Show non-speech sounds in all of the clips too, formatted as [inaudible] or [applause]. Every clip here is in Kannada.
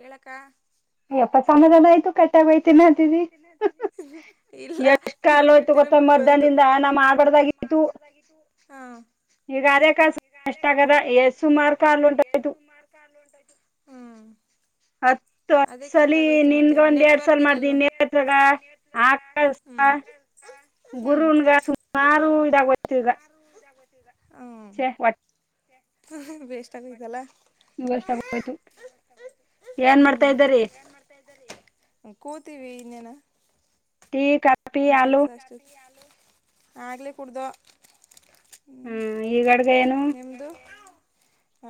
ಹೇಳಕ್ಕ. ಸಮಧಾನ ಆಯ್ತು [unintelligible] ಇಲ್ಲ. ತಿರ್ಗ್ ಬಿಟ್ಟ ತಿರುಗ್ಬಿಟ್ಟ ಬಂತು [inaudible] ಹಾ. ಈಗ ಅದೇ ಕಸ ಅಷ್ಟ ಆಗದ ಎಸ್ ಸುಮಾರ್ ಕಾಲ್ ಉಂಟಾಯ್ತು [inaudible] ಹ್ಮ್. ಹದ ಇ ಸಲ ನಿನ್ಗ ಒಂದ್ ಎರಡ್ ಸಲ ಮಾಡ್ದಿ ನೇತ್ರಾಗ ಆ ಗುರೂನ್ಗ ಸುಮಾರು ಇದಾಗೋಯ್ತು ಈಗ [inaudible] ಹ್ಮ [inaudible] ವೇಸ್ಟ್ ಆಗೋಯ್ತ ಅಲಾ ವೇಸ್ಟ್ ಆಗೋಯ್ತು ಏನ್ ಮಾಡ್ತಾ ಇದ್ದರಿ. [inaudible] ಕೂತವಿ ಇನ್ನೇನ. ಟಿ ಕಾಪಿ ನಮ್ ಕೆಲ್ಸ ಅಷ್ಟ [inaudible] ಆಗ್ಲೇ ಕುಡ್ದು ಹ್ಮ ಈ ಅಡ್ಗೆ ಏನು ನಿಮ್ದ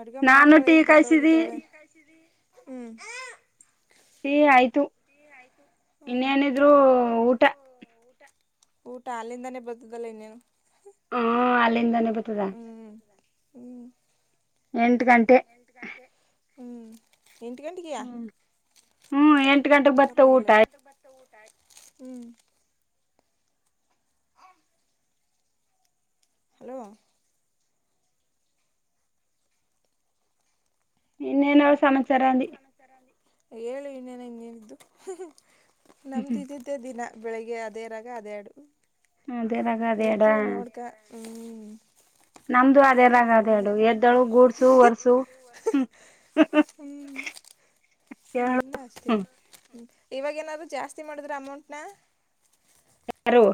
ಅಡ್ಗೆ ಮಾಡ್ತಾಳೆ ಈಗ ಬಟ್ಟೆ ಹೋಗಿತಾಳೆ [inaudible] ಹ್ಮ. ಟಿ ಆಯ್ತು ಇನ್ನೇನಿದ್ರು ಊಟ ಊಟ ಅಲ್ಲಿಂದಾನೇ ಬರ್ತದಲ್ಲ ಇನ್ನೇನು ಹ್ಮ್ ಅಲ್ಲಿಂದನ ಬತದ ಎಂಟ ಗಂಟೆ ಎಂಟ ಗಂಟೆ ಹ್ಮ್ ಎಂಟ ಗಂಟಿಗೆಯ ಪರ್ವಾಗಿಲ್ಲ ಊಟ ಆಯ್ತ್ ಹ್ಮ್ ಹಲೋ. ಇನ್ನೇನಳ ಸಮಾಚಾರಿ ಅಂದಿ [inaudible] ಹೇಳು ಇನ್ನನಂಗಗೆನಿದ್ದು ನಮ್ದ ಇದ ಮತ್ತೆ ದಿನ ಬೆಳಿಗ್ಗೆ ಅದೇ ರಾಗ ಅದೇ ಹಾಡು ಎದ್ದು ನೋಡ್ಕ ಹ್ಮ್ [inaudible] ಹ್ಮ್ ಎಲ್ಲ ಅಷ್ಟೇಯಾ ಹ್ಮ ಇವಾಗ ಏನಾದ್ರು ಜಾಸ್ತಿ ಮಾಡಿದ್ರ ಅಮೌಂಟ್ನ ಯಾರು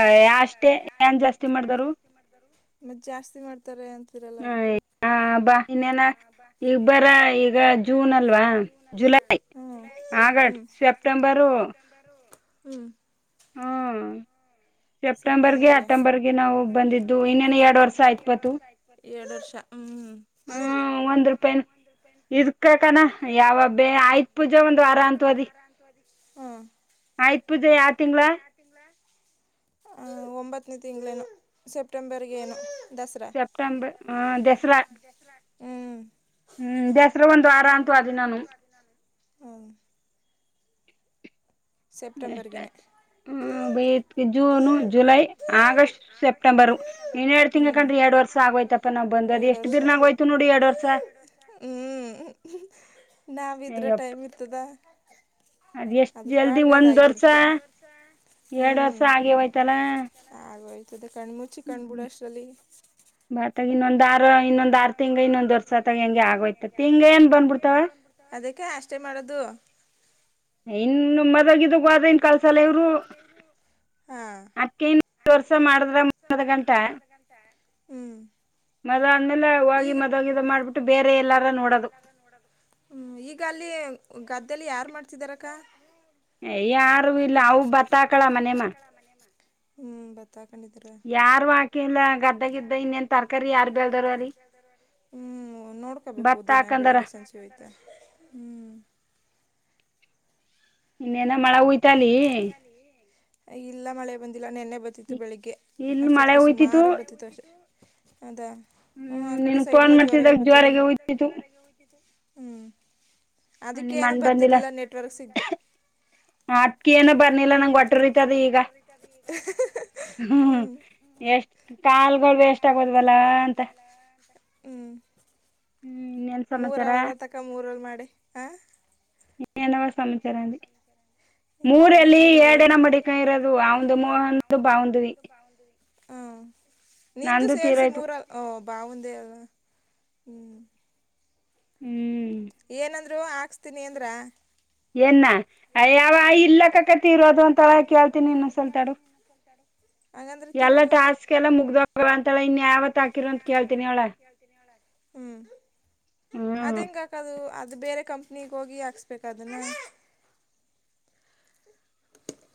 ಅಯ್ ಅಷ್ಟೆ ಏನ್ ಜಾಸ್ತಿ ಮಾಡಿದಾರು ಮತ್ತ ಜಾಸ್ತಿ ಮಾಡ್ತಾರೆ ಅಂತಿರಲ್ಲ ಅದಿಕ್ಕ ಕೇಳ್ ಹ ಬ ಇನ್ನೇನ ಈಗ ಬರ ಈಗ ಜೂನ್ ಅಲ್ವಾ ಜುಲೈ ಆಗಟ ಸೆಪ್ಟೆಂಬರು ಹ್ಮ್. ಹ್. ಸೆಪ್ಟೆಂಬರ್ಗೆ ಅಕ್ಟೋಂಬರ್ಗೆ ನಾವು ಬಂದಿದ್ದು ಇನ್ನೇನು ಎರಡ್ ವರ್ಷ ಅಯ್ತ್ಬತ್ತು ಹ್ಮ್ ಒಂದ್ ರೂಪಾಯಿನ ಇದ್ಕಕಾನ ಯಾವ ಹಬ್ಬೆ ಆಯುಧ ಪೂಜೆ ಒಂದ್ ವಾರ ಅಂತ ಹೋದಿ [inaudible] ಹ್ಮ್. ಆಯುಧ ಪೂಜೆ ಆಯುಧ ಪೂಜೆ ಯಾ [inaudible] ಹ ಒಂಬತ್ತನೇ ತಿಂಗಳೇನು ಸೆಪ್ಟೆಂಬರ್ಗೆ ಏನು ಸೆಪ್ಟೆಂಬರ್ ಹಾಂ ದಸರಾ ದಸರಾ ಹ್ಮ್. ಹ್ಮ್ ದಸರಾ ಒಂದ್ ವಾರ ಅಂತ ಹೋದ ನಾನು ಹ್ಮ್. ಸೆಪ್ಟೆಂಬರ್ಗೇನೆ. ಹ್ಮ್ ಬೇಯತ್ಗೆ ಜೂನು ಜುಲೈ ಆಗಸ್ಟ್ ಸೆಪ್ಟಂಬರು ನೀನ್ ಹೇಳುತ್ ತಿನ್ನೆ ಕಣ್ರೀ ಎರ್ಡ್ ವರ್ಸ ಆಗೋಯ್ತಪ್ಪಾ ನಾವ್ ಬಂದ್ ಅದ್ ಎಷ್ಟು ಬಿರ್ನಾಗೋಯ್ತು ನೋಡಿ ಎರ್ಡ್ ವರ್ಷ. ನಾವಿದ್ರೆ ಟೈಮ್ ಇರ್ತದ? ಅದೆಷ್ಟ್ ಜಲ್ದಿ ಒಂದ್ ವರ್ಷ ಎರ್ಡ್ ವರ್ಷ ಆಗೇ ಹೋಯ್ತಲ್ಲ? ಆಗೋಯ್ತದೆ ಕಣ್ ಮುಚ್ಚಿ ಕಣ್ ಬಿಡೋ ಅಷ್ಟ್ರಲ್ಲಿ. ಮಾತಾಗಿ ಇನ್ನೊಂದ್ ಆರು ಇನ್ನೊಂದ್ ಆರ್ ತಿಂಗ್ಳು ಇನ್ನೊಂದ್ ವರ್ಷ ಅತ್ತಾಗೆ ಹಿಂಗೆ ಆಗೋಯ್ತ ತಿಂಗ್ಳ್ ಏನ್ ಬಂದ್ ಬಿಡ್ತಾವ. ಅದಿಕ್ಕೆ ಅಷ್ಟೇ ಮಾಡದು. ಇನ್ನು ಮದ್ವೆ ಗಿದ್ವುಗ್ ಹೋದ್ರೆ ಇನ್ ಕಳ್ಸಲ್ಲ ಇವ್ರು. ಅದ್ಕೆ ಇನ್ ಮೂರ್ ವರ್ಸ ಮಾಡುದ್ರ [unintelligible] ಗಂಟ ಮದ್ವೆ ಆದ್ಮೇಲೆ ಹೋಗಿ ಮದ್ವೆ ಗಿದ್ವೆ ಮಾಡ್ಬಿಟ್ಟು ಬೇರೆ ಎಲ್ಲಾರ ನೋಡದು. ಹ್ಮ್ ಈಗಲ್ಲಿ ಗದ್ದೆಲಿ ಯಾರ್ ಮಾಡ್ತಿದಾರಕ್ಕ? ಹ್ಮ್ ಬತ್ತ ಹಾಕೊಂಡಿದೀರ? ಯಾರು ಹಾಕ್ ಕಿಲ್ಲ ಗದ್ದೆ ಗಿದ್ದೆ ಇನ್ನೇನ್ ತರ್ಕಾರಿ ಯಾರ್ ಹ್ಮ್ ನೋಡ್ಕೋಬೇಕು ದಿನ ಬೆಳಿಗ್ಗೆ ಸಂಜ್ ತೋಯ್ತ ಹ್ಮ್ ಇನ್ನೇನ ಮಳೆ ಉಯ್ತಾ ಅಲೀ? ಇಲ್ಲ ಮಳೆ ಬಂದಿಲ್ಲ ನೆನ್ನೆ ಬತ್ತಿತ್ತು ಬೆಳಿಗ್ಗೆ ಅಷ್ಟೊತ್ತಿಗೆ ಸುಮಾರಾಗ್ ಬತ್ತಿತ್ತು ಅಷ್ಟೇ. ಅದೆ ಊಂ ಆ ಕಡೆ ಸೈಡೆಲ್ಲಾ ಜೋರಾಗೆ ಬತ್ತದಲ್ಲ? ಹ್ಮ್ ಅದುಕ್ಕೆೇ ಏನೂ ಬತ್ತಿರ್ಲಿಲ್ಲ ನೆಟ್ವರ್ಕ್ ಸಿಗದೆ. ಅದ್ಕೆ ಏನೂ ಬತ್ ಹ್ಮ್ ಎಷ್ಟ್ ಕಾಲ್ಗಳು ವೇಸ್ಟ್ ಆಗೋದ್ವಲ್ಲಾ ಅಂತ. ಮೂರ್ ಅವಲ್ಲ ತಕ್ಕ ಮೂರಲ್ ಮಾಡಿ ಹ? ಇನ್ನೇನವ್ವ ಸಮಾಚಾರ ಆಂದಿ. ಮೂರಲ್ಲಿ ಎರ್ಡೆನೋ ಮಡಿಕ ಇರೋದು ಅವಂದು ಮೋಹಂದು ಬಾವಂದುವಿ. ಹಾಂ ನಿಂದು ಸೇರ್ಸಿ ಮೂರಲ್ ಓ ಬಾವುಂದೇ ಅಲ್ಲ ಹ್ಮ್. ಹ್ಮ್ ಏನಂದ್ರು ಹಾಕ್ಸ್ತೀನಿ ಅಂದ್ರ? ಏನ್ನ ಅಯ್ಯಾವ ಇಲ್ಲಕ್ಕಕ ತೀರೋದು ಅಂತಾಳ ಕೇಳ್ತೀನಿ ಇನ್ನೊಸಲ್ ತಡು. [unintelligible] ಹಂಗಂದ್ರೆ ತೀರೋದು ಅಂದ್ರೆ ಎಲ್ಲ ಟಾಸ್ಕ್ ಎಲ್ಲ ಮುಗ್ದೋಗವ ಅಂತಾಳೆ ಇನ್ ಯಾವತ್ ಹಾಕಿರ ಅಂತ್ ಕೇಳ್ ತೀನ್ ಹೇಳದೆ ಹ್ಮ್ ಅದೆಂಗ್ ಹಾಕದು ಅದ್ ಬೇರೆ ಕಂ ನೀಗ್ ಹೋಗಿ ಹಾಕ್ಸ್ ಬೇಕದುನ್ನು?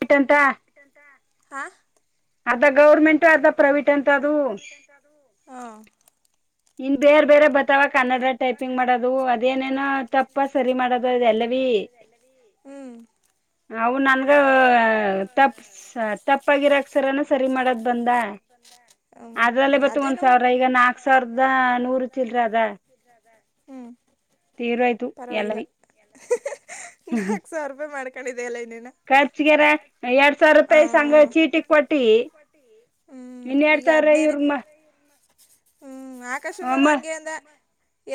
[unintelligible] ಆ ಅರ್ಧ ಗೌರ್ಮೆಂಟು ಅರ್ಧ ಪ್ರೈವೇಟ್ ಅಂತದು. ಹೋ ಇನ್ ಬೇರ್ ಬೇರೆ ಬತ್ತಾವ ಕನ್ನಡ ಟೈಪಿಂಗ್ ಮಾಡದು ಅದೇನೇನೊ ತಪ್ಪ ಸರಿ ಮಾಡದದೆಲ್ಲ. ಹ್ಮ್ ಅವು ನಂದು ತಪ್ ತಪ್ಪಾಗಿರೋ ಅಕ್ಷರಾನ ಸರಿ ಮಾಡದು. ಹ್ಮ್ ಏ ಅದೆಲ್ಲ ಉ ಚಿಲ್ರ ಅದ ತೀರೋಯ್ತು. ವಾಗಿಲ್ಲ ನಾಕ್ ಸಾವಿರ ರೂಪಾಯಿ ಮಾಡ್ಕೊಂಡಿದ್ಯಲ್ಲ ಇನ್ನೇನ? ಖರ್ಚಿಗರ ಎರಡ್ ಸಾವಿರ ರೂಪಾಯಿ ಸಂಘ ಚೀಟಿ ಕೊಟ್ಟಿ. ಇನ್ನು ಎರಡ್ ಸಾವರಾ ಇರುಮ್ಮ. ಹ್ಮ್ ಆಕಾಶ ಅಣ್ಣನು ಹಂಗೆ ಅಂದ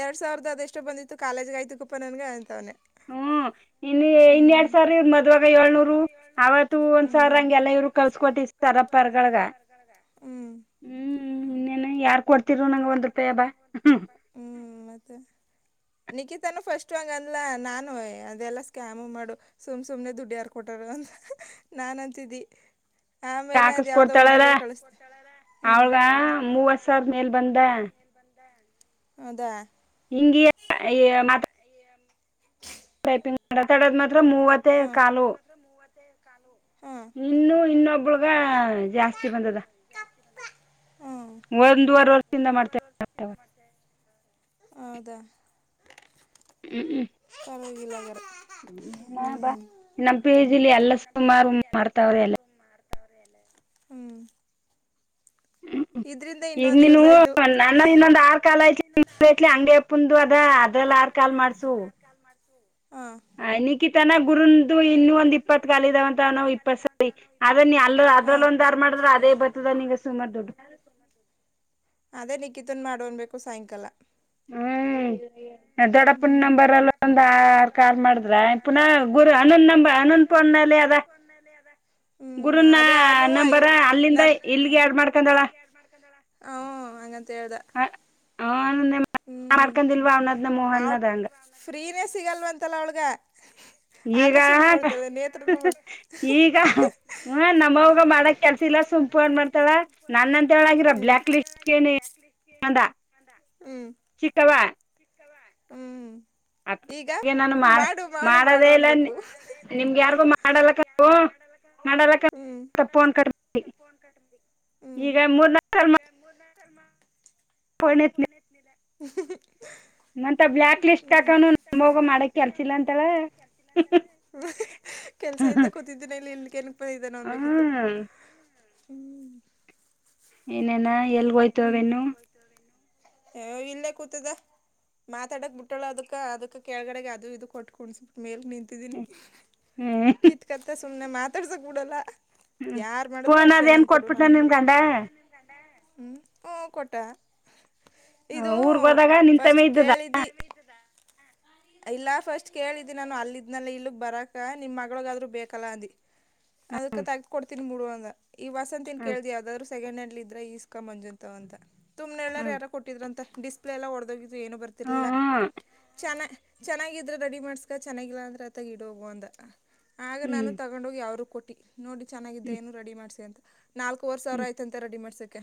ಎರಡ್ ಸಾವಿರದ ಅದೆಷ್ಟು ಬಂದಿತ್ತು ಕಾಲೇಜ್ಗ ಆಯ್ ತಕ್ಕಪ್ಪ ನನಗೆ ಅಂತವನೇ. ಹ್ಮ್. ಇನ್ನು ಇನ್ ಎರಡ್ ಸಾವರ ಇವ್ ಮದ್ವಗ ಏಳ್ನೂರು ಆವತ್ತು ಒಂದ್ ಸಾವರ ಹಂಗೆಲ್ಲ ಇವ್ರು ಕಳ್ಸಕ ಕೊಟ್ಟ. ಕಳಸ್ಕೊಟ್ಟಿ ಸರಪ್ಪರ್ಗಳಗ ಹ್ಮ. ಹ್ಮ್ ಇನ್ನೇನ್ ಯಾರ್ ಕೊಡ್ತಿರು ನಂಗ ಒಂದ್ ರೂಪಾಯಿಬ್ಬಾ. ಹ್ಮ್ ಮತ್ತೆ. ನಿಕಿತಾನು ಫಸ್ಟ್ ಹಂಗ ಅಂದಲ ನಾನು ಎ ಅದೆಲ್ಲಾ ಸ್ಕ್ಯಾಮು ಮಾಡು ಸುಮ್ ಸುಮ್ನೆ ದುಡ್ಡ ಯಾರ್ಕೊಟ್ಟಾರು ಅಂತ ನಾನ್ ಅಂತಿದ್ದಿ. ಕಾಕಸ್ ಕೊಡ್ತಾಳಲಾ ಅವಳಗ ಮೂವತ್ತ ಸಾವರ ಮೇಲ್ ಬಂದ ಹೌದಾ. ಹಿಂಗಿ ಎ ಮಾತಾ ಅಯ್ಯ ಟೈಪಿಂಗ್ ಮಾತಾಡದ್ ಮಾತ್ರ ಮೂವತ್ತೆ ಕಾಲು. ಹ್ಮ್ ಇನ್ನು ಇನ್ನೊಬ್ಬಳ ಆ ಜಾಸ್ತಿ ಬಂದದ ಒಂದುವರೆ ವರ್ಷದಿಂದ ಮಾಡ್ತೇ ಹೌದಾ. ಹ್ಮ ಪರವಾಗಿಲ್ಲ ಹಾಗಾರೆ. ಏನ ಬಾ ನಮ್ಮ್ ಪಿಜಿಲಿ ಎಲ್ಲ ಸುಮಾರು ಮಾಡ್ತಾವ್ರ ಎಲ್ಲ ಹ್ಮ್ ಹ್ಞ ಈಗ ನೀನು ನನ್ನ ಇನ್ನೊಂದು ಆರ ಕಾಲ ಐತ್ಲ ಅಂಗಡಿ ಎಪ್ ಐತ್ಲ ಅಂಗಡಿ ಅಪಂದು ಅದ ಅದೆಲ್ಲ ಆರ್ ಕಾಲ್ ಮಾಡ್ತು ಅನಿಕಿತನ ಗುರುಂದು ಇನ್ನು ಒಂದ್ ಇಪ್ಪತ್ ಕಾಲ ಇದಾವಂತ ನಾವ ಇಪ್ಪತ್ ಸರಿ. ಅದ ನೀ ಅಲ್ಲ ಅದ್ರಲ್ಲಿ ಒಂದ ಆರ ಮಾಡಿದ್ರ ಅದೇ ಬರ್ತದ ನಿನಗ ಸುಮಾರ ದುಡ್ಡು. ಅದೇ ನಿಖಿತನ್ ಮಾಡು ಅನ್ಬೇಕು ಸಾಯಂಕಾಲ. ಹ್ಮ್ ದೊಡ್ಡಪನ ನಂಬರ್ ಅಲ್ಲ ಒಂದ ಆರ್ ಕಾಲ್ ಮಾಡಿದ್ರ ಪುನಃ ಗುರು ಅನುಂದ ನಂಬ ಅನುಂದ ಫೋನ್ನಲ್ಲಿ ಅದ ಗುರನಾ ನಂಬರ್ ಅಲ್ಲಿಂದ ಇಲ್ಲಿಗೆ ಆಡ್ ಮಾಡ್ಕಂದಳ ಹ ಹಂಗಂತ ಹೇಳ್ದ. ಹ ಮಾಡ್ಕೊಂಡಿಲ್ವಾ ಅವ್ನದ್ನ ಮೋಹನ್ದ್ಂಗ ಫ್ರೀನೇ ಸಿಗಲ್ವಂತಲ್ಲ ಅವಳಗೆ. ಆಕಾಶನು ಮಾಡ್ತಳೆ ನೇತ್ರನು ಮಾಡ್ತ ನಮವ್ವಗೆ ಮಾಡಕ್ ಕೆಲ್ಸಿಲ್ಲ ನನ್ನಂತವಳ ಆಗಿದ್ರ ಬ್ಲ್ಯಾಕ್ ಲಿಸ್ಟಿಗೆನೇ ಹ್ಮ್ ಹ್ಮ್. ಹಾಗೆ ನಾನ್ ಮಾಡ ಮಾಡದೇ ಇಲ್ಲ ನಿ ನಿಮ್ಗೆ ಯಾರ್ಗು ಮಾಡಲ್ಲಕ್ಕೂ. ಮಾಡಲಕ್ಕಂತ ಫೋನ್ ಕಟ್ ಮಾಡಿ ಈಗ ಮೂರ್ನಾಕ್ ಮೂರ್ನಾಕ ಸಲ ಮಾಡ್ರು ಫೋನ್ ಎತಲಿಲ್ಲ. ನಂತ ಬ್ಲಾಕ್ ಹ್ಮ್ನ್ ನಂತ ಬ್ಯಾಕ್ ಲಿಸ್ಟ್ ಹಾಕನು ನಮ್ಮವ್ವಗ ಮಾಡಕ್ ಕೆಲಸಿಲ್ಲ ಅಂತಾಳ. ಕೆಲಸ ಇಲ್ಲದೆ ಕೂತಿದ್ದಿನ ಇಲ್ಲಿ ಇಲ್ಲಿಗ ಏನಕ್ಕ ಬಂದಿದಾನ ಅನ್ಬೇಕಿತ್ತು. ಹಾ [inaudible] ಏನೇನ ಎಲ್ಲಿಗ್ ಹೋಯ್ತವೇನ್ ಹೇ ಇಲ್ಲೇ ಕೂತಿದ್ದೆ. ಮಾತಾಡಕ್ ಬಿಟ್ಟಳ ಅದಕ್ಕ ಅದಕ್ಕ ಕೆಳಗಡೆಗೆ ಅದು ಇದು ಕೊಟ್ಟು ಕುಣ್ಸಬಿಟ್ಟ ಮೇಲೆ ನಿಂತ ಕಿದ್ದೀನಿ ಕಿತ್ ಕತ್ತ ಸುಮ್ನೆ ಮಾತಾಡ್ಸಕ್ ಬೀಡಲ್ಲ. ಯಾರ್ ಮಾಡಿದ್ರು ಅಷ್ಟೇ ನಂಗ್ ಕೊಡು ನನ್ಗ ಕೊಡು ಹ್ಮ ಹ್ಮ್ ಕೊಟ್ಟೆ. ಇದು ಫಸ್ಟ್ ಕೇಳಿದ್ದಿ. [inaudible] ಇಲ್ಲ ಫಸ್ಟ್ ಕೇಳಿದ್ದಿ ನಾನು ಅಲ್ಲಿದ್ನಲ್ಲ ಇಲ್ಲಿಗ್ ಬರಕ್ ನಿಮ್ ಮಗ್ಳಗಾದ್ರೂ ಬೇಕಲ್ಲ ಅಂದಿದಿ. ಅದಕ್ಕ ತಕ್ಕ ಕೊಡ್ತೀನಿ ಬಿಡು ಅಂದ. ಈ ವಾಸಂತಿನ್ ಕೇಳ್ದದಿಯಾ ಯಾವ್ದಾದ್ರರು ಸೆಕಂಡ್ ಹ್ಯಾಂಡ್ ಇದ್ರ ಇಸ್ ಅಕ್ಕ ಮಂಜುಂತವ ಅಂತ ತುಮ್ನೇಳಳ್ಳಾರ ಯಾರೋ ಕೊಟ್ಟಿದ್ರ ಅಂತ ಡಿಸ್ಪ್ಲೇ ಎಲ್ಲ ಹೊಡೆದೋಗಿದ್ದ್ ಏನು ಬರ್ತಿರ್ಲಿಲ್ಲ. ಚೆನ್ನ ಚೆನ್ನಾಗಿದ್ರೆ ರೆಡಿ ಮಾಡಸ್ಕ ಚೆನ್ನಾಗಿಲ್ಲಾ ಅಂದ್ರೆ ಆತಗ ಇಡೋಗ್ ಅಂದ. ಆಗ ನಾನು ತಗೊಂಡೋಗಿ ಅವ್ರಗ್ ಕೊಟ್ಟಿ ನೋಡಿ ಚೆನ್ನಾಗಿತೆ ಏನು ರೆಡಿ ಮಾಡ್ಸಿ ಅಂತ. ನಾಲ್ಕೂವರೆ ಸಾವ್ರ ಆಯ್ತ ಅಂತೆ ರೆಡಿ ಮಾಡ್ಸಕ್ಕೆ.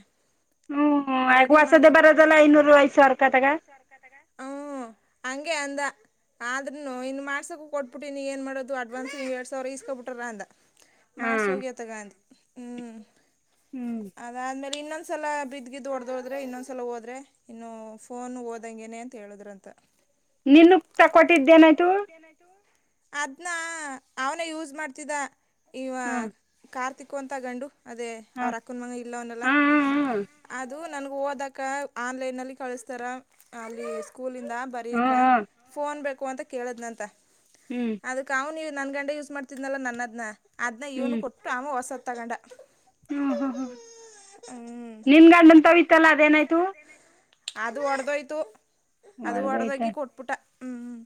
ಹ್ಮ್ ಆಗ ಹೊಸದ ಬರದದೆಲ್ಲ ಐನೂರು ಐದ್ ಸಾವ್ರರೂಪಾಯಿ ತಗ. [unintelligible] [inaudible] ಅಂಗೇ ಅಂದ. ಆದ್ರೂನು ಇನ್ ಮಾಡ್ಸಕ್ ಕೊಟ್ಬಿಟ್ಟಿನೀ ಏನ್ ಮಾಡೋದು ಅಡ್ವಾನ್ಸ್ ಎರಡ್ ಸಾವ್ರ ಇಸ್ಕೊಬಿಟರ ಅಂದ. ಮಾಸ್ ಹೋಗ್ಯಾತ್ ತಗ ಅಂದೇ ಹ್ಮ್. ಹ್ಮ್. ಅದಾದ್ಮೇಲೆ ಇನ್ನೊಂದ್ ಸಲ ಬಿದ್ದ ಗಿದ್ದ ಹೋಡ್ಡ್ದೋದ್ರೆ ಇನ್ನೊಂದು ಸಲ ಹೋದ್ರೆ. ಇನ್ನು ಫೋನ್ ಓದಂಗೆನೆ ಅಂತ ಹೇಳುದ್ರಂತೆ. ನಿನ್ಗ್ ತಗೊಟ್ಟಿದ್ದೇನಾಯ್ತು. ಏನಾಯ್ತು. ಅದನ್ನ ಅವನೇ ಯೂಸ್ ಮಾಡ್ತಿದ್ದ ಈವ ಕಾರ್ತಿಕೂ ಅಂತ ಗಂಡು. ಅದೇ ಅವ್ರ ಅಕ್ಕನ್ಮಂಗ ಇಲ್ಲೆ ಅವನ್ನಲ್ಲ. ಅದು ನನ್ಗ ಓದಕ್ಕ ಆನ್ಲೈನ್ ಅಲ್ಲಿ ಕಳಸ್ತಾರ ಅಲ್ಲಿ. ಸ್ಕೂಲಿಂದ ಬರೀಯಕ ಫೋನ್ ಬೇಕು ಅಂತ ಕೇಳದ್ನಂತ. ಹ್ಞೂ. ಅದಕ್ಕ ಅವನು ನೀ ನನ್ನ ಗಂಡ ಯೂಸ್ ಮಾಡ್ತಿದ್ನಲ್ಲ ನನ್ನದನ್ನ ಅದ್ನೇ ಇವ್ನಗ್ ಕೊಟ್ಟು ಅವ ಹೊಸದ ತಗಂಡ. ಹ್ಮ್ ಹ್ಮ್ ಹ್ಮ್ ನಿನ್ ಗಂಡಂತವ ಇತ್ತಲ್ಲ ಅದೇನಾಯ್ತು. ಅದು ಹೊಡದೋಯ್ತು ಅದು ಹೊಡದೋಗಿ ಕೊಟ್ಬಟ್ಟ ಹ್ಮ್.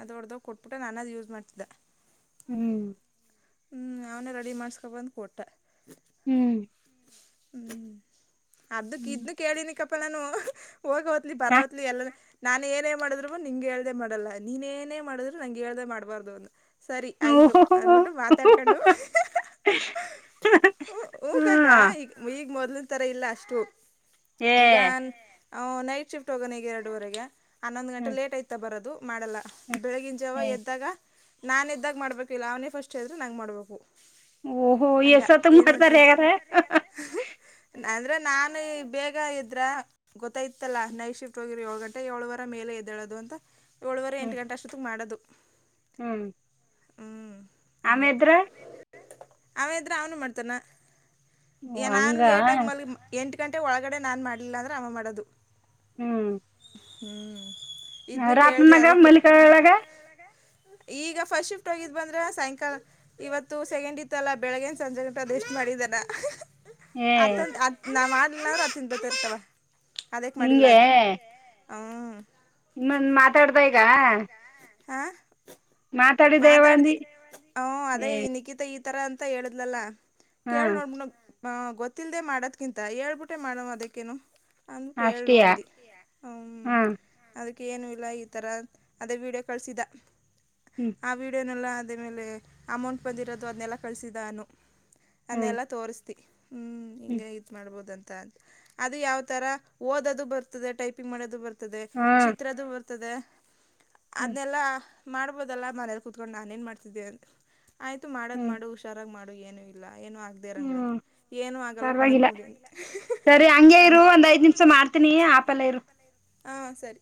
ಅದ ಹೋಡ್ದೋಗ ಕೊಟ್ಬಿಟ್ಟ ನಾನ ಅದ್ ಯೂಸ್ ಮಾಡ್ತಿದ್ದೆ. ಹ್ಮ್. ಹ್ಞೂ ಅವನೇ ರೆಡಿ ಮಾಡಸ್ಕೊ ಬಂದು ಕೊಟ್ಟ. ಹ್ಮ್. ಹ್ಮ್ ಅ್ದಕ್ ಇದ್ನ ಕೇಳಿನಿ ಕಪ್ಪ ನಾನು. [unintelligible] ನಾನ್ ಏನೇ ಮಾಡಿದ್ರುವ ನಿಂಗೆ ಹೇಳ್ದೆ ಮಾಡಲ್ಲ ನೀನ್ ಏನೇ ಮಾಡಿದ್ರು ನಂಗೆ ಹೇಳ್ದೆ ಮಾಡ್ಬಾರ್ದು ಅಂದ. ಸರಿ ಆಯ್ದುು ಅನ್ಬಿಟ್ಟು ಮಾತಾಡ್ಕೊಂಡು. ಉ ಉ ಕಾಕ ಈಗ ಈಗ ಮೊದ್ಲ ತರ ಇಲ್ಲ ಅಷ್ಟು ಈಗ. ನೈಟ್ ಶಿಫ್ಟ್ ಹೋಗೋಣ ಈಗ ಎರಡುವರೆಗೆ ಹನ್ನೊಂದು ಗಂಟೆ ಲೇಟ್ ಆಯತಾ ಬರೋದು ಮಾಡಲ್ಲ. ಬೆಳಗಿನ ಜಾವ ಎದ್ದಾಗ ನಾನ ಎದ್ದಾಗ ಮಾಡ್ಬೇಕು ಇಲ್ಲ ಅವನೇ ಫಸ್ಟ್ ಎದ್ರೆ ನಂಗ್ ಮಾಡ್ಬೇಕು. ಓಹೋ ಎಸತ್ತು ಮಾಡ್ತಾರೆ ಯಾರರ ಅಂದ್ರೆ ನಾನು ಬೇಗ ಎದ್ರಾ ಗೊತ್ತಾಯತ್ತಲ್ಲ ನೈಟ್ ಶಿಫ್ಟ್ ಹೋಗಿರಿ ಏಳು ಗಂಟೆ ಏಳುವರ ಮೇಲೆ ಎದ್ದಳೋದು ಅಂತ ಏಳುವರೆ ಎಂಟು ಗಂಟೆ ಅಸ್ಟೋತಿಗ್ ಮಾಡೋದು ಹ್ಮ್. ಹ್ಮ್ ಹಂಗ [inaudible] ಅವ ಎದ್ರ ಅವ್ನು ಮಾಡ್ತಾನ ಏ ನಾನ ಲೇಟಾಗಿ ಮಲ್ಗ ಎಂಟು ಗಂಟೆ ಒಳಗಡೆ ನಾನು ಮಾಡ್ಲಿಲ್ಲ ಅಂದ್ರೆ ಅವ ಮಾಡೋದು ಹ್ಮ್. ಹ್ಮ್ ಇದ್ನ್ನ ಕೇಳ್ದಿ ಅದಕ್ಕೆ [inaudible] ಈಗ ಫಸ್ಟ್ ಶಿಫ್ಟ್ ಹೋಗಿದ್ ಬಂದ್ರೆ ಸಾಯಂಕಾಲ ಇವತ್ತು ಸೆಕೆಂಡ್ ಇತ್ತಲ್ಲ ಬೆಳಗೆನ್ ಸಂಜೆ ಎಷ್ಟ್ ಮಾಡಿದಾರ ಅ ಅತ್ ನಾವ್ ಮಾಡ್ಲ್ರರು ಅತನ್ ಬರ್ತಾ ಇರ್ತವ ಅದಕ್ ಮಾಡಿಲ್ಲ ಅಂತ [inaudible] ಹ [unintelligible] ಮಾತಾಡ್ತ ಈಗ ಹಾ ಮಾತಾಡ್ದಿ ಹ ಅದೇ ನಿಖಿತ ಇ ತರ ಅಂತ ಹೇಳಿದ್ಲಲ್ಲ ಕೇಳಿ ನೋಡ್ಬ ಹ ಗೊತ್ತಿಲ್ಲದದೆ ಮಾಡೋದ್ಕಿಂತ ಹೇಳ್ಬಿಟ್ಟೆ ಮಾಡಣ ಅದಕ್ಕೇನು. ಅಂದ್ಬಿಟ್ಟು ಹೇಳಿ ನೋಡ್ದು [inaudible] ಹ್ಮ್. ಅದಕ್ಕೆ ಏನು ಇಲ್ಲ ಈತರ ಅದೇ ವಿಡಿಯೋ ಕಳ್ಸಿದ ಹ್ಮ್. ಆ ವೀಡಿಯೋನೆಲ್ಲ ಅದೇ ಮೇಲೆ ಅಮೌಂಟ್ ಬಂದಿರೋದು ಅದನ್ನನೆಲ್ಲ ಕಳಿಸಿದ್ದಾನು. ಅದನ್ನೆಲ್ಲಾ ತೋರಿಸತಿ ಹ್ಮ್ ಹಿಂಗೆ ಇದ ಮಾಡ್ಬೋದು ಅಂತ ಅದು ಯಾವ ತರ ಓದದು ಬರ್ತದೆ ಟೈಪಿಂಗ್ ಮಾಡದು ಬರ್ತದೆ ಚಿತ್ರದು ಬರ್ತ ತದೆ ಅದನ್ನೆಲ್ಲಾ ಮಾಡ್ಬೋದಲ್ಲಾ ಮನೇಲಿ ಕುತ್ಕೊಂಡು ನಾನ ಏನ್ ಮಾಡ್ತಿದ್ದೀ ಅಂತ ಆಯ್ತು ಮಾಡದ್ ಮಾಡು ಹುಷಾರಾಗ ಮಾಡು ಏನು ಇಲ್ಲ ಏನು ಆಗದೆೇ ಇರಂಗ ಏನು ಆಗಲ್ಲ ಕಣತ್ ಬುಡಿ [unintelligible] ಸರಿ ಹಂಗೇ ಇರು ಒಂದ್ ಐದ್ ನಿಮಿಸ ಮಾಡ್ತೀನಿ ಆಪೆಲ್ಲ ಇರು. ಹಾ ಸರಿ.